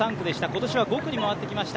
今年は５区に回ってきました。